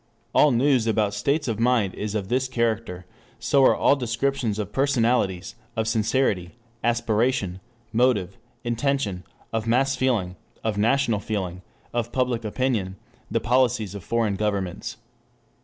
All news about states of mind is of this character: so are all descriptions of personalities, of sincerity, aspiration, motive, intention, of mass feeling, of national feeling, of public opinion, the policies of foreign governments.